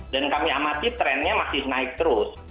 dan kami amati trennya masih naik terus